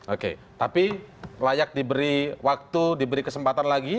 oke tapi layak diberi waktu diberi kesempatan lagi